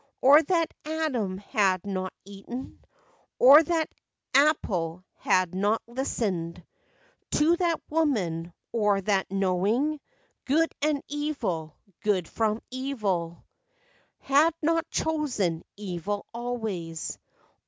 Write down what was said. O, that Adam had not eaten Of that apple, had not listened FACTS AND FANCIES. io 5 To that woman, or that knowing Good and evil, good from evil, Had not chosen evils always!